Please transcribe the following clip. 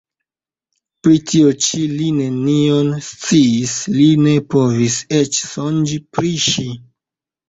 Pri tio ĉi li nenion sciis, li ne povis eĉ sonĝi pri ŝi.